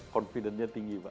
confident nya tinggi pak